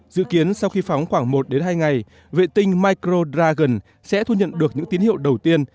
dự kiến sau khi phóng khoảng một đến hai ngày vệ tinh micro dragon sẽ thu nhận được những tín hiệu đầu tiên